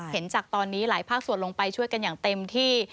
เห็นจากตอนนี้หลายภาคส่วนลงไปช่วยกันอย่างเต็มที่